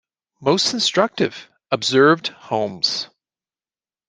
"Most instructive," observed Holmes.